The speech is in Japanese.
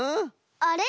あれ？